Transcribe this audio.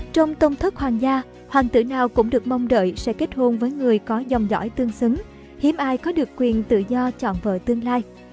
trong tông thất hoàng gia hoàng tử nào cũng được mong đợi sẽ kết hôn với người có dòng giỏi tương xứng hiếm ai có được quyền tự do chọn vợ tương lai